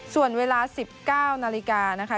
ส่วนเวลา๑๙นาฬิกานะคะ